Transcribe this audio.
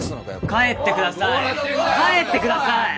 帰ってください帰ってください